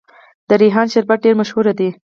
د ریحان شربت ډیر مشهور دی.